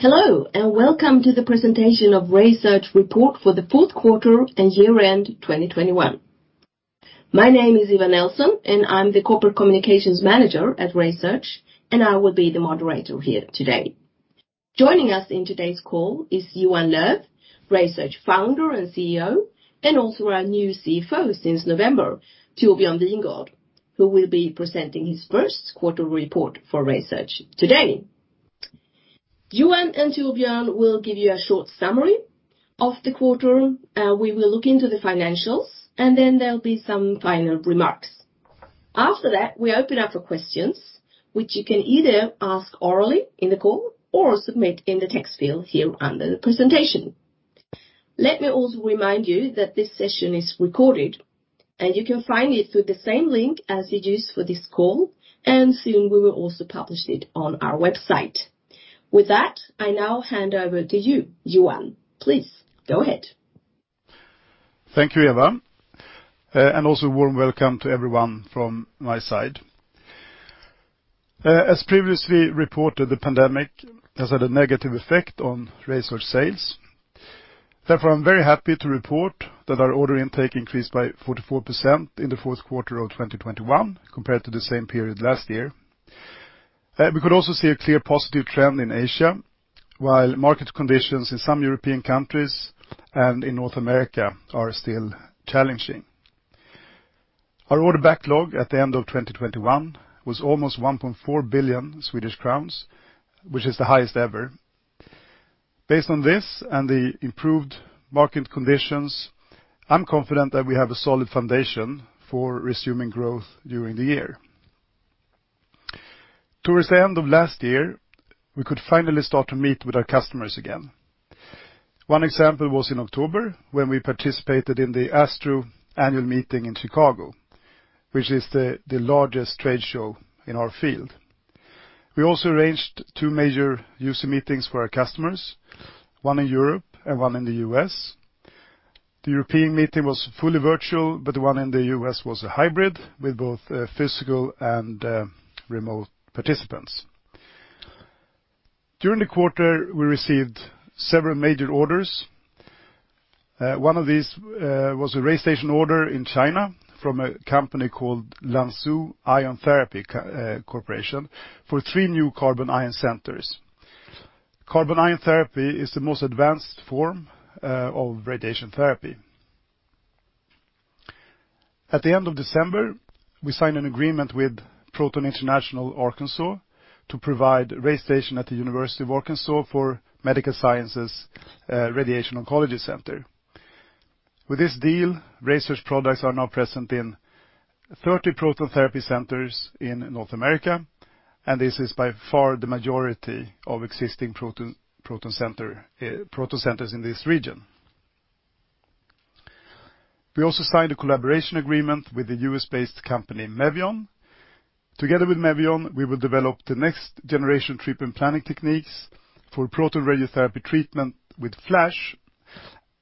Hello, and welcome to the presentation of RaySearch report for the fourth quarter and year-end 2021. My name is Eva Nelson, and I'm the Corporate Communications Manager at RaySearch, and I will be the moderator here today. Joining us in today's call is Johan Löf, RaySearch Founder and CEO, and also our new CFO since November, Torbjörn Wingårdh, who will be presenting his first quarter report for RaySearch today. Johan and Torbjörn will give you a short summary of the quarter. We will look into the financials, and then there'll be some final remarks. After that, we open up for questions which you can either ask orally in the call or submit in the text field here under the presentation. Let me also remind you that this session is recorded, and you can find it through the same link as you used for this call, and soon we will also publish it on our website. With that, I now hand over to you, Johan. Please, go ahead. Thank you, Eva, and also warm welcome to everyone from my side. As previously reported, the pandemic has had a negative effect on RaySearch sales. Therefore, I'm very happy to report that our order intake increased by 44% in the fourth quarter of 2021 compared to the same period last year. We could also see a clear positive trend in Asia, while market conditions in some European countries and in North America are still challenging. Our order backlog at the end of 2021 was almost 1.4 billion Swedish crowns, which is the highest ever. Based on this and the improved market conditions, I'm confident that we have a solid foundation for resuming growth during the year. Towards the end of last year, we could finally start to meet with our customers again. One example was in October when we participated in the ASTRO annual meeting in Chicago, which is the largest trade show in our field. We also arranged two major user meetings for our customers, one in Europe and one in the U.S.. The European meeting was fully virtual, but the one in the U.S. was a hybrid with both physical and remote participants. During the quarter, we received several major orders. One of these was a RayStation order in China from a company called Lanzhou Ion Therapy Co, for three new carbon ion centers. Carbon ion therapy is the most advanced form of radiation therapy. At the end of December, we signed an agreement with Proton International Arkansas to provide RayStation at the University of Arkansas for Medical Sciences Radiation Oncology Center. With this deal, RaySearch products are now present in 30 proton therapy centers in North America, and this is by far the majority of existing proton centers in this region. We also signed a collaboration agreement with the U.S.-based company Mevion. Together with Mevion, we will develop the next generation treatment planning techniques for proton radiotherapy treatment with FLASH,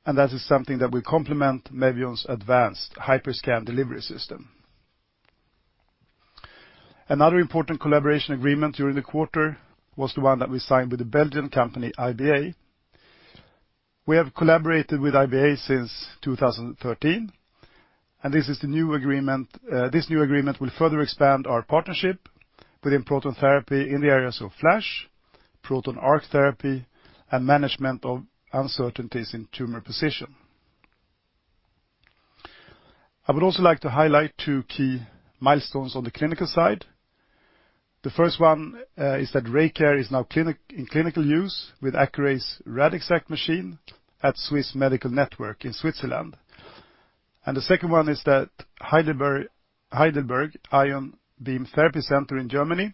and that is something that will complement Mevion's advanced HYPERSCAN delivery system. Another important collaboration agreement during the quarter was the one that we signed with the Belgian company IBA. We have collaborated with IBA since 2013, and this is the new agreement. This new agreement will further expand our partnership within proton therapy in the areas of FLASH, proton arc therapy, and management of uncertainties in tumor position. I would also like to highlight two key milestones on the clinical side. The first one is that RayCare is now in clinical use with Accuray's Radixact machine at Swiss Medical Network in Switzerland. The second one is that Heidelberg Ion Beam Therapy Center in Germany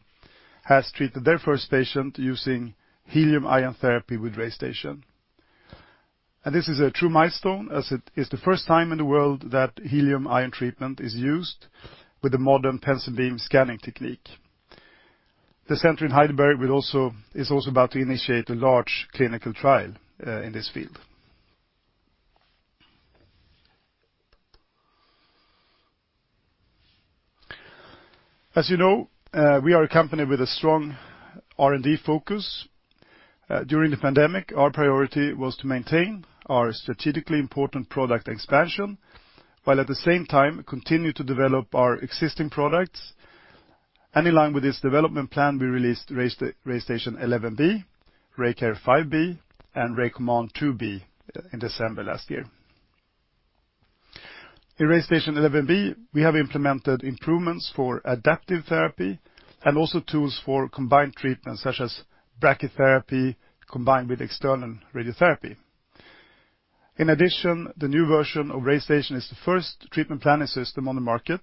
has treated their first patient using helium ion therapy with RayStation. This is a true milestone as it is the first time in the world that helium ion treatment is used with a modern pencil beam scanning technique. The center in Heidelberg is also about to initiate a large clinical trial in this field. As you know, we are a company with a strong R&D focus. During the pandemic, our priority was to maintain our strategically important product expansion, while at the same time continue to develop our existing products. In line with this development plan, we released RayStation 11B, RayCare 5B, and RayCommand 2B in December last year. In RayStation 11B, we have implemented improvements for adaptive therapy and also tools for combined treatments such as brachytherapy combined with external radiotherapy. In addition, the new version of RayStation is the first treatment planning system on the market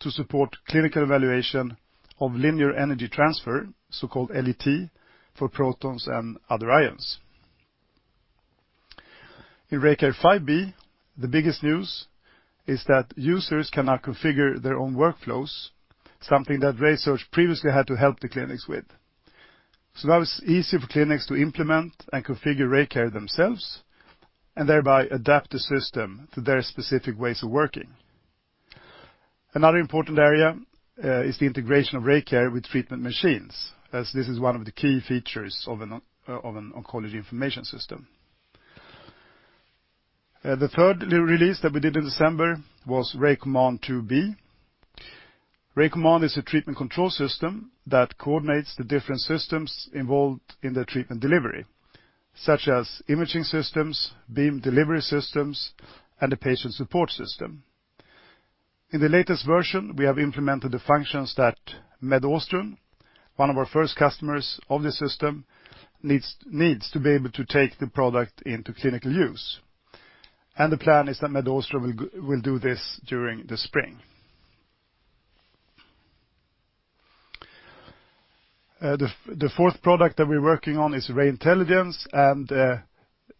to support clinical evaluation of linear energy transfer, so-called LET, for protons and other ions. In RayCare 5B, the biggest news is that users can now configure their own workflows, something that RaySearch previously had to help the clinics with. Now it's easier for clinics to implement and configure RayCare themselves, and thereby adapt the system to their specific ways of working. Another important area is the integration of RayCare with treatment machines, as this is one of the key features of an oncology information system. The third re-release that we did in December was RayCommand 2B. RayCommand is a treatment control system that coordinates the different systems involved in the treatment delivery, such as imaging systems, beam delivery systems, and the patient support system. In the latest version, we have implemented the functions that MedAustron, one of our first customers of this system, needs to be able to take the product into clinical use. The plan is that MedAustron will do this during the spring. The fourth product that we're working on is RayIntelligence, and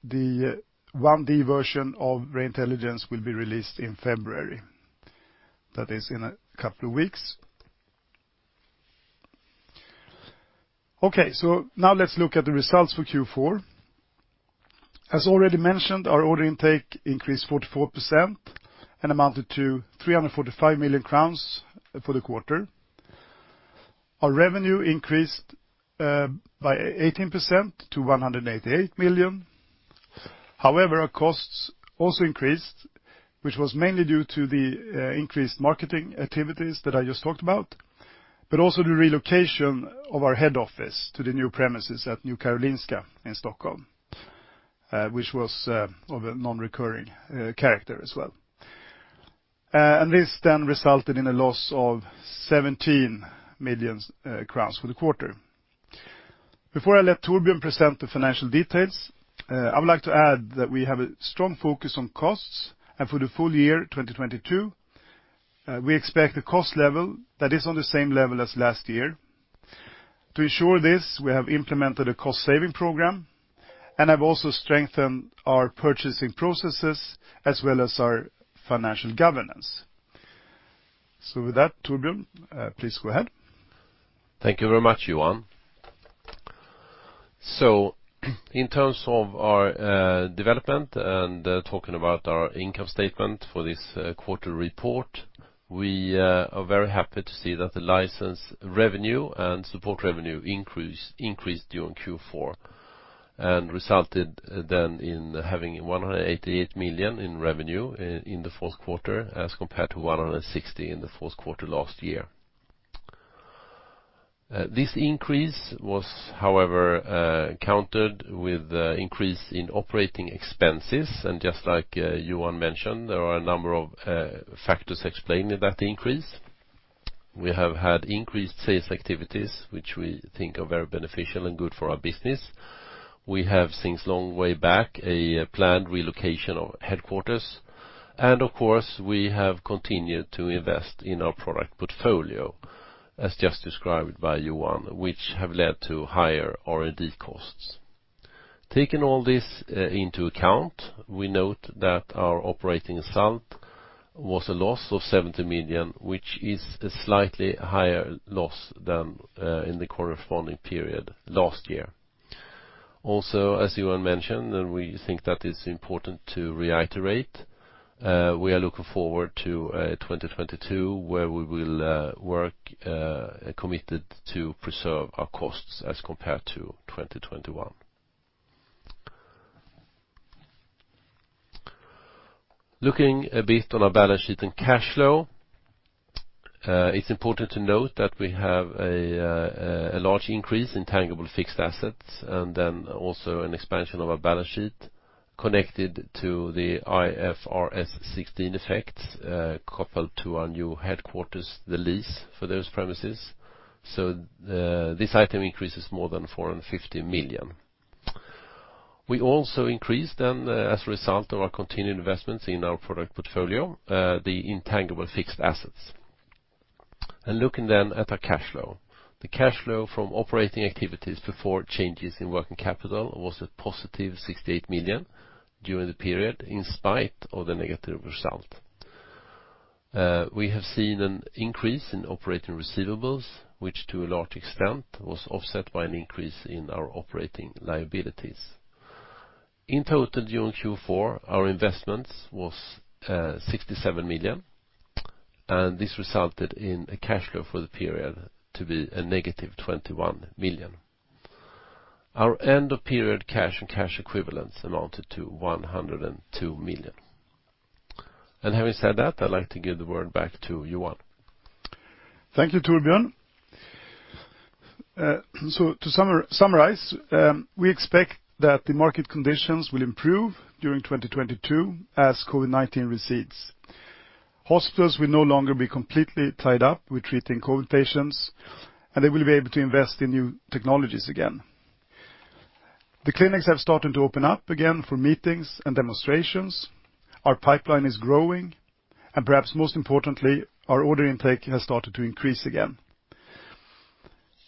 the one D version of RayIntelligence will be released in February. That is in a couple of weeks. Okay, now let's look at the results for Q4. As already mentioned, our order intake increased 44% and amounted to 345 million crowns for the quarter. Our revenue increased by 18% to 188 million. However, our costs also increased, which was mainly due to the increased marketing activities that I just talked about, but also the relocation of our head office to the new premises at New Karolinska in Stockholm, which was of a non-recurring character as well. This then resulted in a loss of 17 million crowns for the quarter. Before I let Torbjörn present the financial details, I would like to add that we have a strong focus on costs and for the full year, 2022, we expect a cost level that is on the same level as last year. To ensure this, we have implemented a cost-saving program and have also strengthened our purchasing processes as well as our financial governance. With that, Torbjörn, please go ahead. Thank you very much, Johan. In terms of our development and talking about our income statement for this quarter report, we are very happy to see that the license revenue and support revenue increased during Q4, and resulted then in having 188 million in revenue in the fourth quarter as compared to 160 million in the fourth quarter last year. This increase was, however, countered with the increase in operating expenses. Just like Johan mentioned, there are a number of factors explaining that increase. We have had increased sales activities, which we think are very beneficial and good for our business. We have since long way back a planned relocation of headquarters. Of course, we have continued to invest in our product portfolio, as just described by Johan, which have led to higher R&D costs. Taking all this into account, we note that our operating result was a loss of 70 million, which is a slightly higher loss than in the corresponding period last year. Also, as Johan mentioned, and we think that it's important to reiterate, we are looking forward to 2022, where we will work committed to preserve our costs as compared to 2021. Looking a bit on our balance sheet and cash flow, it's important to note that we have a large increase in tangible fixed assets, and then also an expansion of our balance sheet connected to the IFRS 16 effects, coupled to our new headquarters, the lease for those premises. This item increases more than 450 million. We also increased then, as a result of our continued investments in our product portfolio, the intangible fixed assets. Looking then at our cash flow. The cash flow from operating activities before changes in working capital was a positive 68 million during the period, in spite of the negative result. We have seen an increase in operating receivables, which to a large extent was offset by an increase in our operating liabilities. In total, during Q4, our investments was sixty-seven million, and this resulted in a cash flow for the period to be a negative 21 million. Our end of period cash and cash equivalents amounted to 102 million. Having said that, I'd like to give the word back to Johan. Thank you, Torbjörn. To summarize, we expect that the market conditions will improve during 2022 as COVID-19 recedes. Hospitals will no longer be completely tied up with treating COVID patients, and they will be able to invest in new technologies again. The clinics have started to open up again for meetings and demonstrations. Our pipeline is growing. Perhaps most importantly, our order intake has started to increase again.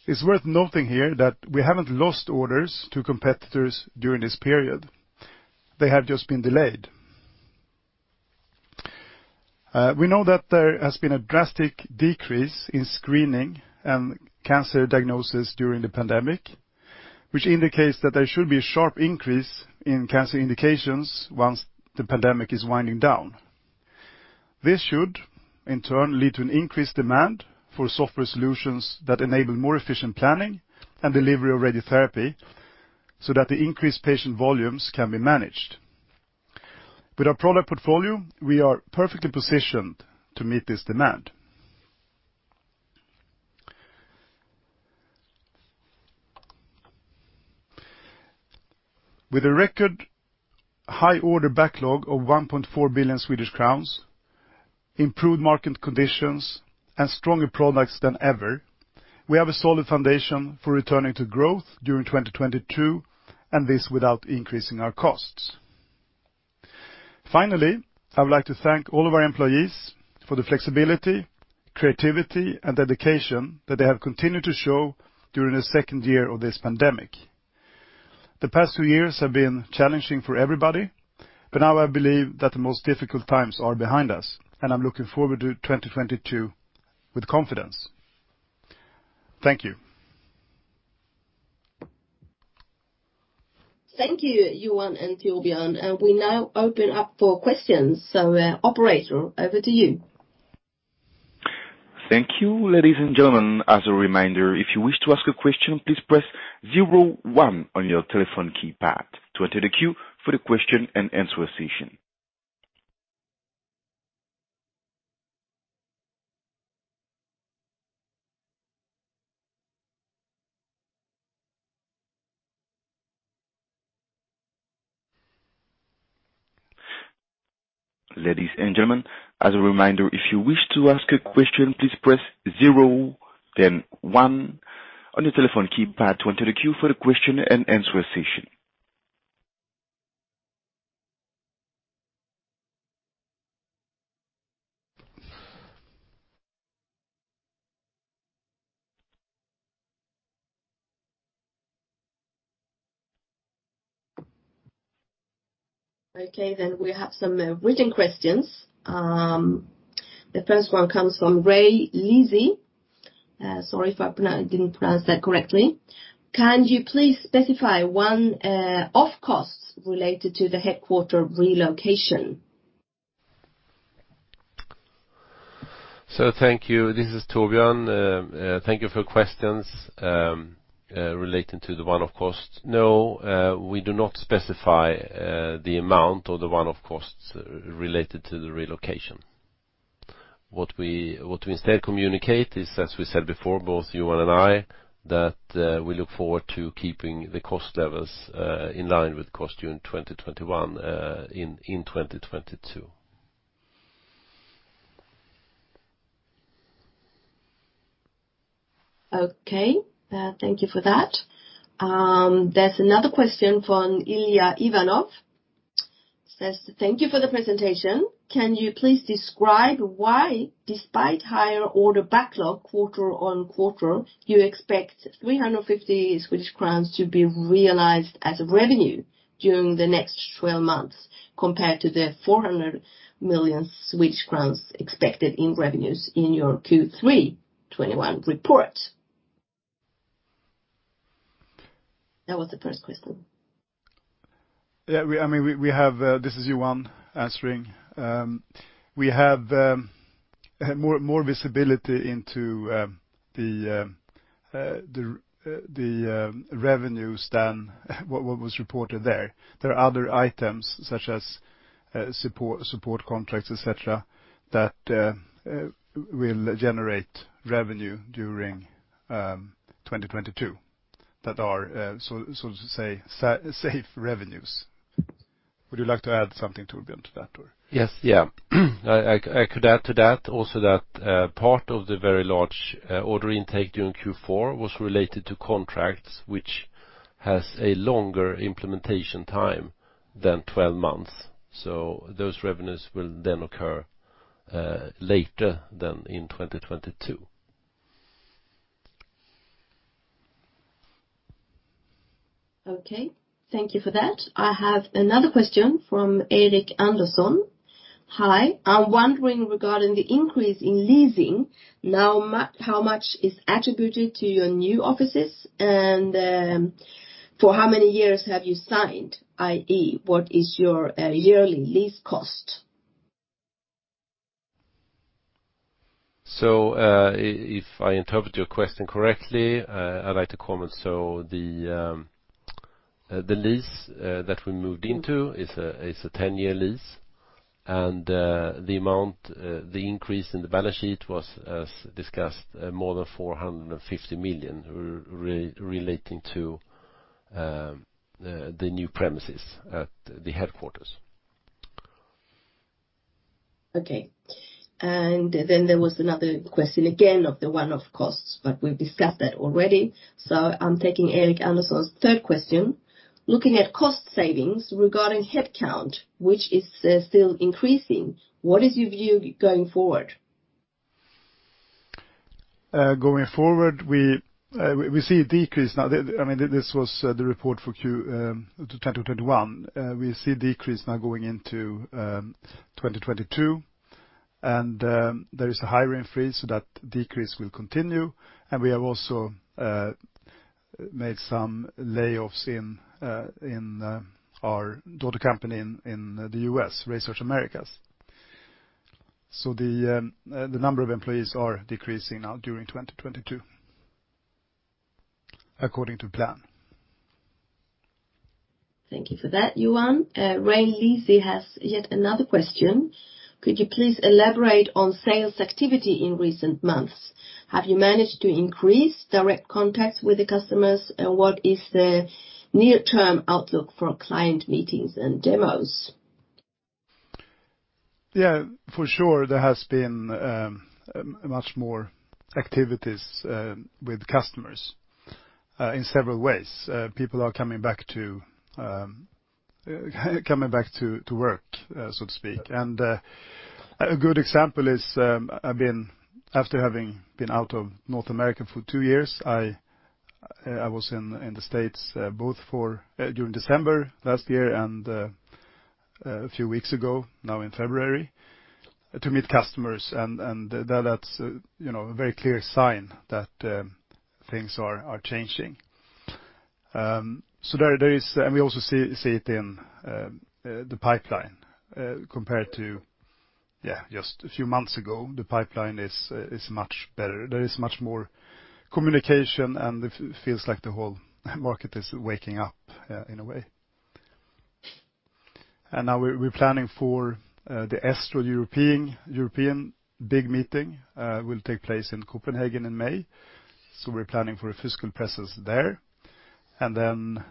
It's worth noting here that we haven't lost orders to competitors during this period. They have just been delayed. We know that there has been a drastic decrease in screening and cancer diagnosis during the pandemic, which indicates that there should be a sharp increase in cancer indications once the pandemic is winding down. This should in turn lead to an increased demand for software solutions that enable more efficient planning and delivery of radiotherapy so that the increased patient volumes can be managed. With our product portfolio, we are perfectly positioned to meet this demand. With a record high order backlog of 1.4 billion Swedish crowns, improved market conditions and stronger products than ever, we have a solid foundation for returning to growth during 2022, and this without increasing our costs. Finally, I would like to thank all of our employees for the flexibility, creativity and dedication that they have continued to show during the second year of this pandemic. The past two years have been challenging for everybody, but now I believe that the most difficult times are behind us, and I'm looking forward to 2022 with confidence. Thank you. Thank you, Johan and Torbjörn, and we now open up for questions. Operator, over to you. Thank you. Ladies and gentlemen, as a reminder, if you wish to ask a question, please press zero one on your telephone keypad to enter the queue for the question-and-answer session. Ladies and gentlemen, as a reminder, if you wish to ask a question, please press zero then one on your telephone keypad to enter the queue for the question-and-answer session. Okay. We have some written questions. The first one comes from Ray Leasey. Sorry if I didn't pronounce that correctly. Can you please specify one-off costs related to the headquarters relocation? Thank you. This is Torbjörn. Thank you for your questions relating to the one-off costs. No, we do not specify the amount or the one-off costs related to the relocation. What we instead communicate is, as we said before, both Johan and I, that we look forward to keeping the cost levels in line with costs during 2021 in 2022. Okay. Thank you for that. There's another question from Ilya Ivanov. It says, "Thank you for the presentation. Can you please describe why, despite higher order backlog quarter-over-quarter, you expect 350 Swedish crowns to be realized as revenue during the next 12 months compared to the 400 million crowns expected in revenues in your Q3 2021 report?" That was the first question. Yeah, I mean, we have more visibility into the revenues than what was reported there. This is Johan answering. We have more visibility into the revenues than what was reported there. There are other items such as support contracts, et cetera, that will generate revenue during 2022 that are, so to say, safe revenues. Would you like to add something, Torbjörn, to that or? Yes. Yeah. I could add to that also that part of the very large order intake during Q4 was related to contracts which has a longer implementation time than 12 months. Those revenues will then occur later than in 2022. Okay. Thank you for that. I have another question from Eric Anderson. Hi. I'm wondering regarding the increase in leasing, how much is attributed to your new offices and, for how many years have you signed? I.e., what is your yearly lease cost? If I interpret your question correctly, I'd like to comment. The lease that we moved into is a 10-year lease, and the amount, the increase in the balance sheet was, as discussed, more than 450 million relating to the new premises at the headquarters. Okay. There was another question again of the one-off costs, but we've discussed that already, so I'm taking Eric Anderson's third question. Looking at cost savings regarding headcount, which is still increasing, what is your view going forward? Going forward, we see a decrease now. I mean, this was the report for Q 2021. We see a decrease now going into 2022, and there is a hiring freeze, so that decrease will continue, and we have also made some layoffs in our daughter company in the U.S., RaySearch Americas. The number of employees are decreasing now during 2022, according to plan. Thank you for that, Johan. Ray Leasey has yet another question. Could you please elaborate on sales activity in recent months? Have you managed to increase direct contacts with the customers? What is the near-term outlook for client meetings and demos? Yeah. For sure, there has been much more activities with customers in several ways. People are coming back to work, so to speak. A good example is, after having been out of North America for two years, I was in the States both during December last year and a few weeks ago now in February to meet customers. That's, you know, a very clear sign that things are changing. We also see it in the pipeline compared to, yeah, just a few months ago. The pipeline is much better. There is much more communication, and it feels like the whole market is waking up in a way. Now we're planning for the ASTRO European big meeting, which will take place in Copenhagen in May. We're planning for a physical presence there. AAPM,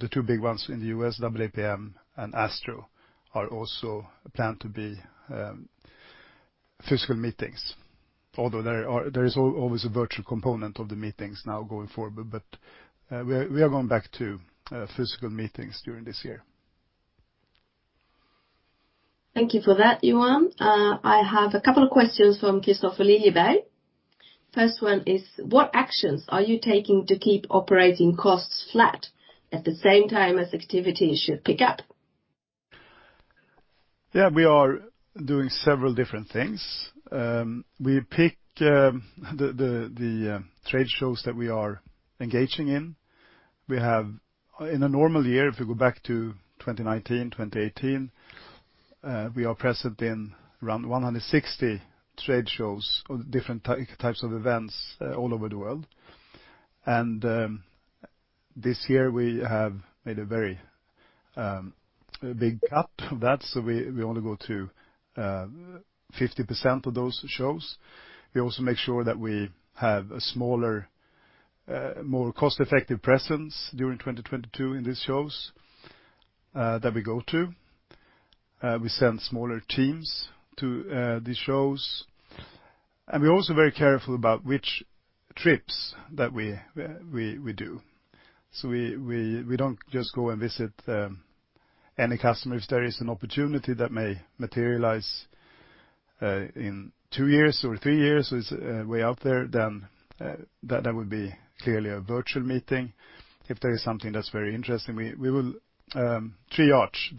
the two big ones in the U.S., AAPM and ASTRO, are also planned to be physical meetings. Although there is always a virtual component of the meetings now going forward. We are going back to physical meetings during this year. Thank you for that, Johan. I have a couple of questions from Kristofer Liljeberg. First one is, what actions are you taking to keep operating costs flat at the same time as activity should pick up? Yeah. We are doing several different things. We pick the trade shows that we are engaging in. We have, in a normal year, if we go back to 2019, 2018, we are present in around 160 trade shows or different types of events all over the world. This year we have made a very big cut of that. We only go to 50% of those shows. We also make sure that we have a smaller more cost-effective presence during 2022 in these shows that we go to. We send smaller teams to these shows. We're also very careful about which trips that we do. We don't just go and visit any customer. If there is an opportunity that may materialize in two years or three years that is way out there, then that would be clearly a virtual meeting. If there is something that's very interesting, we will triage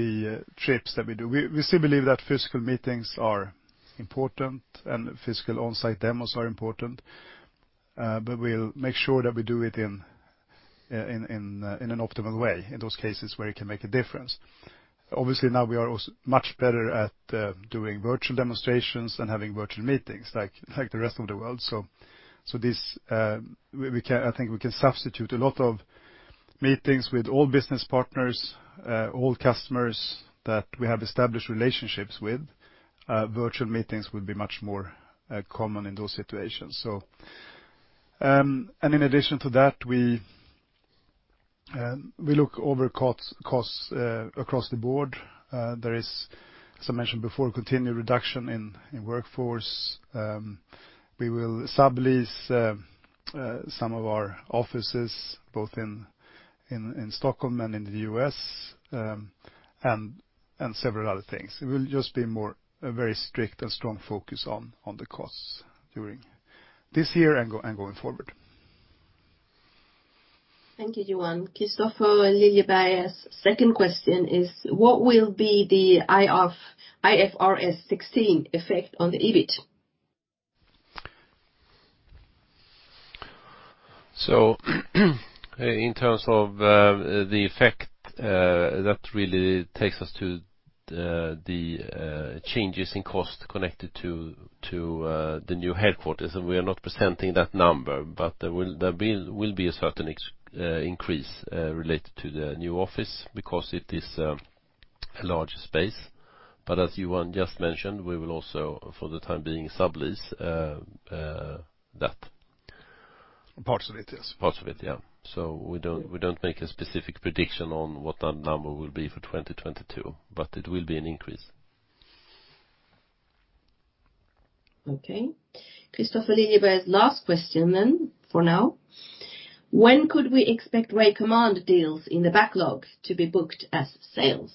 the trips that we do. We still believe that physical meetings are important and physical on-site demos are important. But we'll make sure that we do it in an optimal way in those cases where it can make a difference. Obviously, now we are much better at doing virtual demonstrations and having virtual meetings like the rest of the world. So, I think we can substitute a lot of meetings with all business partners, all customers that we have established relationships with. Virtual meetings will be much more common in those situations. In addition to that, we look over costs across the board. There is, as I mentioned before, continued reduction in workforce. We will sublease some of our offices both in Stockholm and in the U.S., and several other things. It will just be more a very strict and strong focus on the costs during this year and going forward. Thank you, Johan. Kristofer Liljeberg's second question is, what will be the IFRS 16 effect on the EBIT? In terms of the effect that really takes us to the changes in cost connected to the new headquarters. We are not presenting that number, but there will be a certain increase related to the new office because it is a large space. As Johan just mentioned, we will also, for the time being, sublease that. Parts of it, yes. Parts of it, yeah. We don't make a specific prediction on what that number will be for 2022, but it will be an increase. Okay. Kristofer Liljeberg's last question then for now. When could we expect RayCommand deals in the backlog to be booked as sales?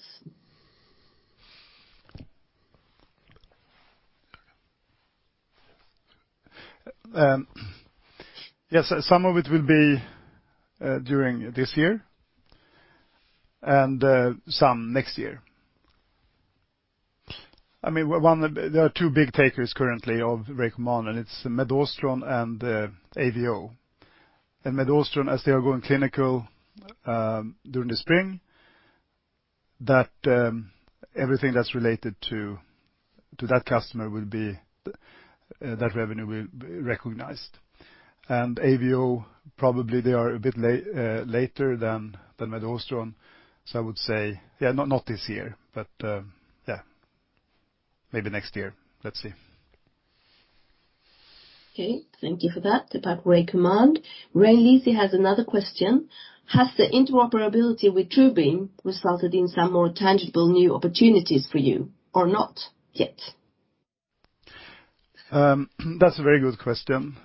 Yes, some of it will be during this year and some next year. I mean, there are two big takers currently of RayCommand, and it's MedAustron and AVO. MedAustron, as they are going clinical during the spring, everything that's related to that customer, that revenue will be recognized. AVO probably they are a bit later than MedAustron. I would say, yeah, not this year, but yeah, maybe next year. Let's see. Okay. Thank you for that, about RayCommand. Ray Leasey has another question. Has the interoperability with TrueBeam resulted in some more tangible new opportunities for you or not yet? That's a very good question.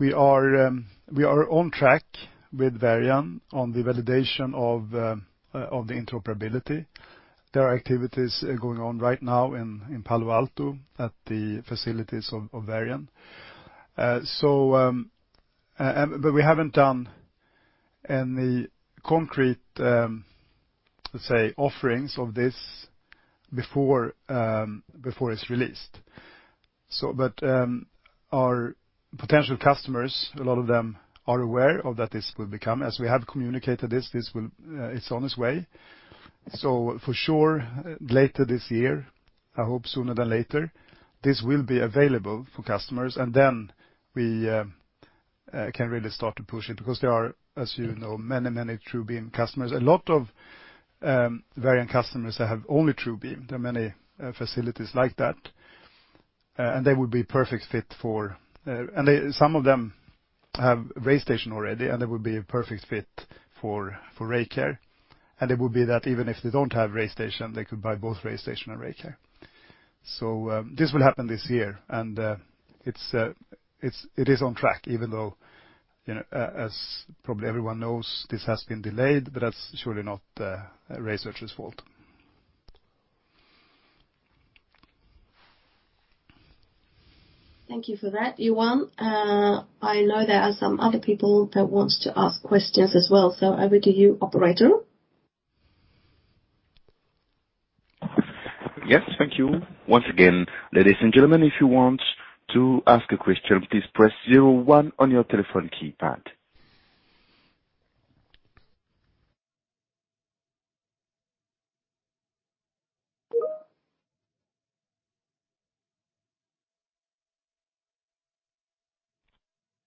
We are on track with Varian on the validation of the interoperability. There are activities going on right now in Palo Alto at the facilities of Varian. But we haven't done any concrete, let's say, offerings of this before it's released. But our potential customers, a lot of them are aware of that this will become as we have communicated this will, it's on its way. For sure, later this year, I hope sooner than later, this will be available for customers, and then we can really start to push it because there are, as you know, many TrueBeam customers. A lot of Varian customers that have only TrueBeam. There are many facilities like that. Some of them have RayStation already, and they would be a perfect fit for RayCare. It would be that even if they don't have RayStation, they could buy both RayStation and RayCare. This will happen this year, and it is on track, even though, you know, as probably everyone knows, this has been delayed, but that's surely not RaySearch's fault. Thank you for that, Johan. I know there are some other people that wants to ask questions as well. Over to you, operator. Yes. Thank you. Once again, ladies and gentlemen, if you want to ask a question, please press zero one on your telephone keypad.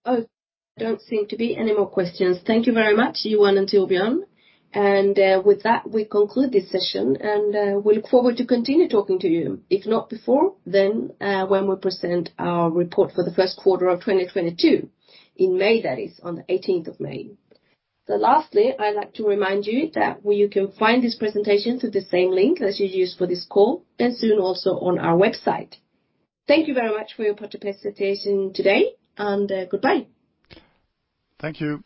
Oh, there don't seem to be any more questions. Thank you very much, Johan and Torbjörn. With that, we conclude this session, and we look forward to continue talking to you, if not before, then when we present our report for the first quarter of 2022 in May, that is on the eighteenth of May. Lastly, I'd like to remind you that you can find this presentation through the same link as you used for this call and soon also on our website. Thank you very much for your participation today, and goodbye. Thank you.